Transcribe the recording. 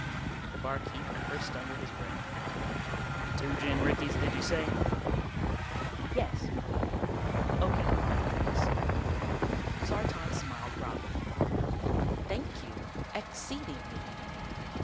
The barkeep cursed under his breath. "Two gin rickeys, did you say?" "Yes." Okie brought the drinks. Sartan smiled broadly. "Thank you ex ceed ing ly."